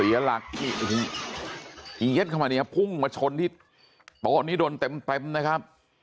เสียหลักเอี๊ยดเข้ามาเนี่ยพุ่งมาชนที่โต๊ะนี้โดนเต็มนะครับ